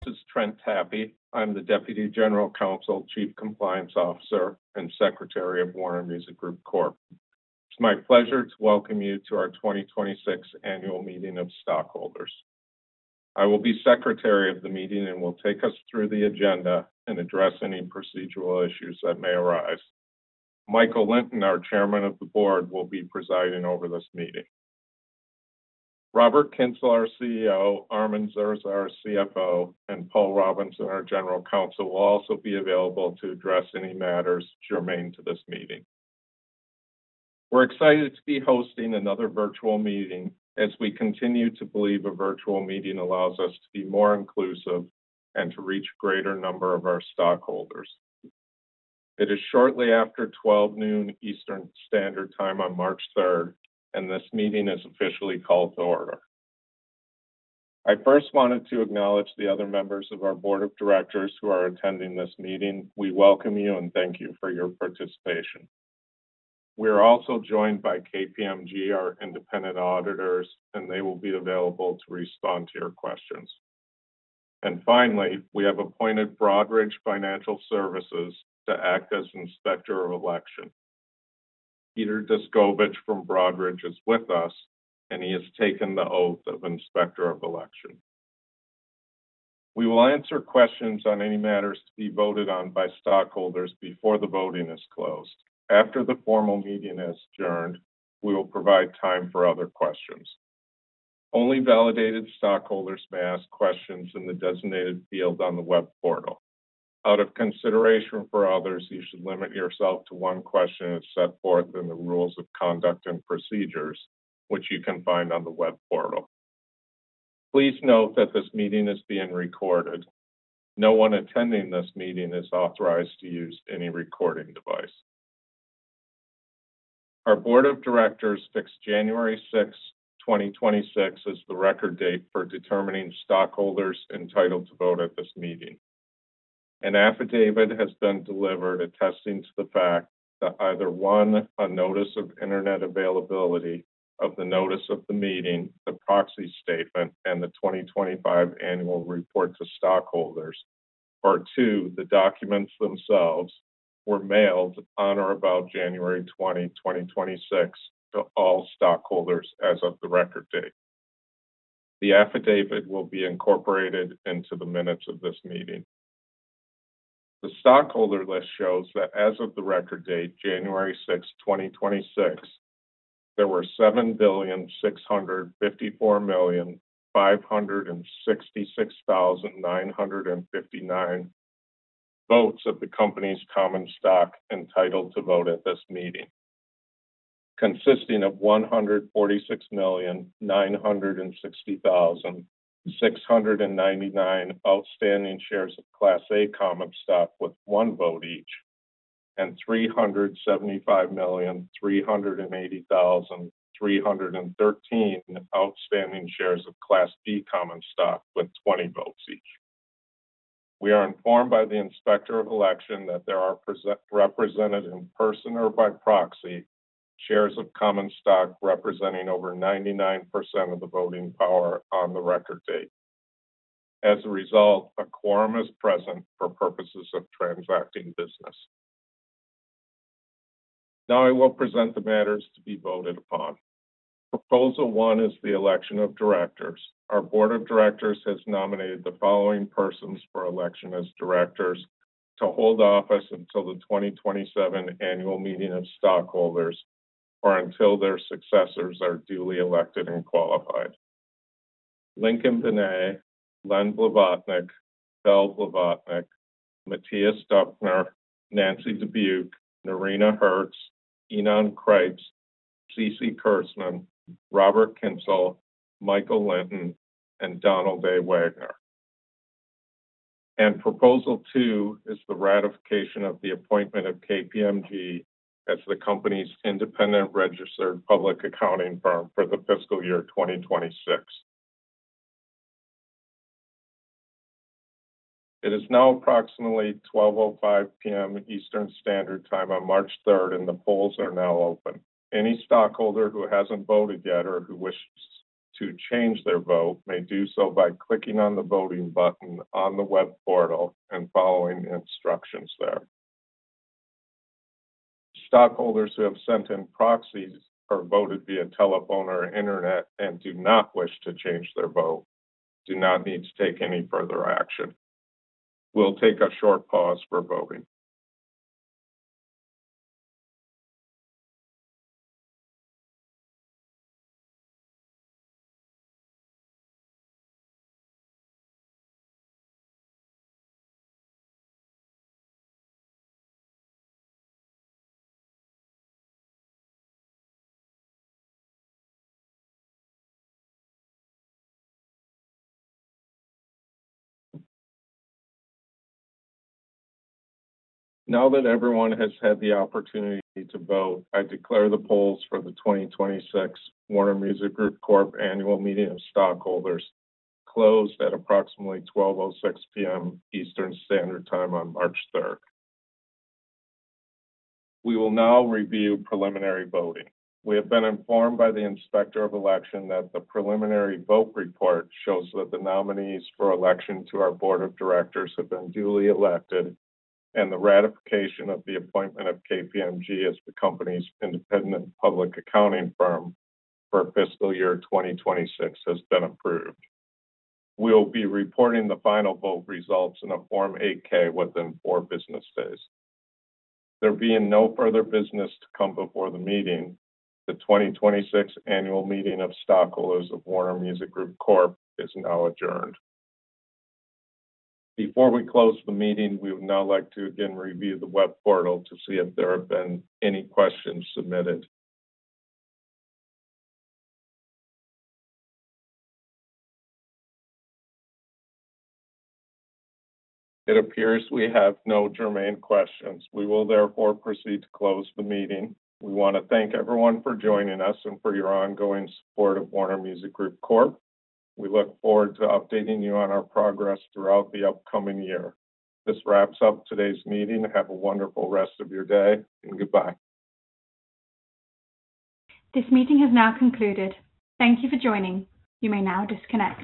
This is Trent Tappe. I'm the Deputy General Counsel, Chief Compliance Officer, and Secretary of Warner Music Group Corp. It's my pleasure to welcome you to our 2026 Annual Meeting of Stockholders. I will be secretary of the meeting and will take us through the agenda and address any procedural issues that may arise. Michael Lynton, our Chairman of the Board, will be presiding over this meeting. Robert Kyncl, our CEO, Armin Zerza, our CFO, and Paul Robinson, our General Counsel, will also be available to address any matters germane to this meeting. We're excited to be hosting another virtual meeting as we continue to believe a virtual meeting allows us to be more inclusive and to reach greater number of our stockholders. It is shortly after 12:00 P.M. Eastern Standard Time on March 3rd, and this meeting is officially called to order. I first wanted to acknowledge the other members of our Board of Directors who are attending this meeting. We welcome you and thank you for your participation. We are also joined by KPMG, our independent auditors. They will be available to respond to your questions. Finally, we have appointed Broadridge Financial Solutions to act as Inspector of Election. Peter Descovich from Broadridge is with us. He has taken the oath of Inspector of Election. We will answer questions on any matters to be voted on by stockholders before the voting is closed. After the formal meeting is adjourned, we will provide time for other questions. Only validated stockholders may ask questions in the designated field on the web portal. Out of consideration for others, you should limit yourself to one question as set forth in the Rules of Conduct and Procedures, which you can find on the web portal. Please note that this meeting is being recorded. No one attending this meeting is authorized to use any recording device. Our Board of Directors fixed January 6, 2026 as the record date for determining stockholders entitled to vote at this meeting. An affidavit has been delivered attesting to the fact that either, one, a notice of internet availability of the notice of the meeting, the proxy statement, and the 2025 Annual Report to Stockholders. Or two, the documents themselves were mailed on or about January 20, 2026 to all stockholders as of the record date. The affidavit will be incorporated into the minutes of this meeting. The stockholder list shows that as of the record date, January 6, 2026, there were 7,654,566,959 votes of the company's common stock entitled to vote at this meeting, consisting of 146,960,699 outstanding shares of Class A common stock with 1 vote each, and 375,380,313 outstanding shares of Class B common stock with 20 votes each. We are informed by the Inspector of Election that there are represented in person or by proxy shares of common stock representing over 99% of the voting power on the record date. As a result, a quorum is present for purposes of transacting business. Now I will present the matters to be voted upon. Proposal one is the election of directors. Our Board of Directors has nominated the following persons for election as directors to hold office until the 2027 Annual Meeting of Stockholders or until their successors are duly elected and qualified. Lincoln Benet, Len Blavatnik, Val Blavatnik, Mathias Döpfner, Nancy Dubuc, Noreena Hertz, Ynon Kreiz, Ceci Kurzman, Robert Kyncl, Michael Lynton, and Donald A. Wagner. Proposal two is the ratification of the appointment of KPMG as the company's independent registered public accounting firm for the fiscal year 2026. It is now approximately 12:05 P.M. Eastern Standard Time on March 3rd, the polls are now open. Any stockholder who hasn't voted yet or who wishes to change their vote may do so by clicking on the Voting button on the web portal and following the instructions there. Stockholders who have sent in proxies or voted via telephone or internet and do not wish to change their vote do not need to take any further action. We'll take a short pause for voting. Now that everyone has had the opportunity to vote, I declare the polls for the 2026 Warner Music Group Corp Annual Meeting of Stockholders closed at approximately 12:06 P.M. Eastern Standard Time on March third. We will now review preliminary voting. We have been informed by the Inspector of Election that the preliminary vote report shows that the nominees for election to our Board of Directors have been duly elected and the ratification of the appointment of KPMG as the company's independent public accounting firm for fiscal year 2026 has been approved. We will be reporting the final vote results in a Form 8-K within 4 business days. There being no further business to come before the meeting, the 2026 Annual Meeting of Stockholders of Warner Music Group Corp. is now adjourned. Before we close the meeting, we would now like to again review the web portal to see if there have been any questions submitted. It appears we have no germane questions. We will therefore proceed to close the meeting. We wanna thank everyone for joining us and for your ongoing support of Warner Music Group Corp. We look forward to updating you on our progress throughout the upcoming year. This wraps up today's meeting. Have a wonderful rest of your day, and goodbye. This meeting has now concluded. Thank you for joining. You may now disconnect.